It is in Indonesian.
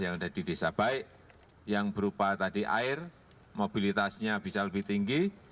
yang ada di desa baik yang berupa tadi air mobilitasnya bisa lebih tinggi